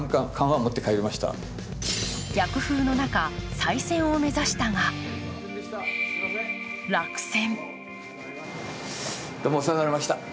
逆風の中、再選を目指したが落選。